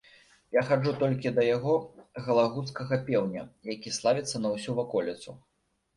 Я хаджу толькі да яго галагуцкага пеўня, які славіцца на ўсю ваколіцу.